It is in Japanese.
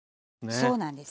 そうなんです。